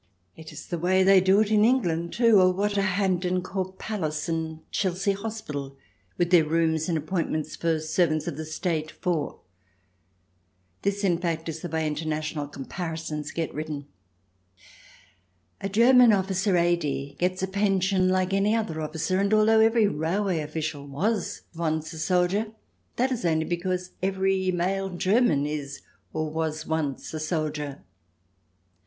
* It is the way they do it in England, too; or what are Hampton Court Palace and Chelsea Hospital, with their rooms and appointments for servants of the State, for ? This, in fact, is the way international comparisons get written. A German officer, A.D., gets a pension like any other officer, and although every railway official was once a soldier, that is only because every male German is, or was once, a soldier.